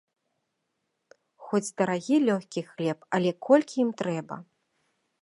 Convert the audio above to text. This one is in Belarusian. Хоць дарагі лёгкі хлеб, але колькі ім трэба.